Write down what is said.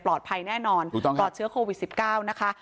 ปลอดภัยแน่นอนก็ช่องผ่วงสิบเก้านะคะ